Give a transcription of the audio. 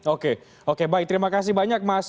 oke oke baik terima kasih banyak mas